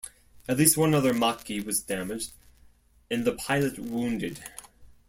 At least one other Macchi was damaged, and the pilot wounded.